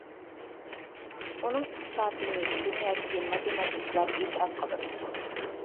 ئۇنىڭ ئىسپاتىنى دۇنيادىكى ماتېماتىكلار ئېتىراپ قىلىدۇ.